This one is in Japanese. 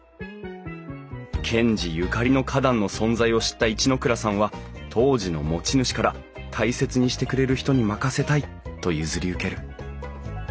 賢治ゆかりの花壇の存在を知った一ノ倉さんは当時の持ち主から大切にしてくれる人に任せたいと譲り受ける。